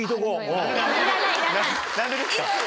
何でですか？